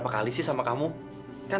saya sudah pernah mengatakan